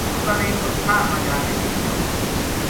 لوکاں نے اس ٹھار ما جا کے دیکھیو